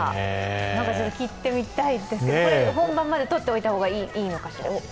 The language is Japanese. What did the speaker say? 聞いてみたいですね、本番までとっておいた方がいいのかしら。